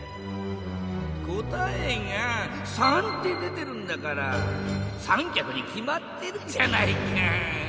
答えが「３」って出てるんだから３きゃくにきまってるじゃないか！